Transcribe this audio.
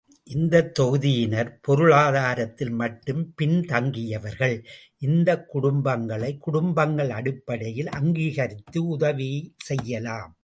இந்தத் தொகுதியினர் பொருளாதாரத்தில் மட்டும் பின் தங்கியவர்கள், இந்தக் குடும்பங்களை, குடும்பங்கள் அடிப்படையில் அங்கீகரித்து உதவி செய்யலாம்.